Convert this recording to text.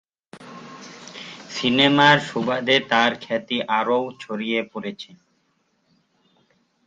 সিনেমার সুবাদে তার খ্যাতি আরও ছড়িয়ে পড়েছে।